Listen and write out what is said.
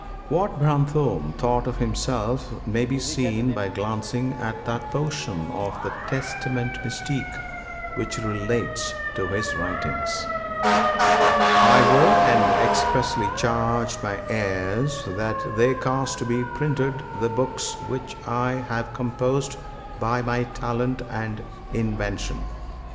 What Brantôme thought of himself may be seen by glancing at that portion of the "testament mystique" which relates to his writings: "I will and expressly charge my heirs that they cause to be printed the books which I have composed by my talent and invention.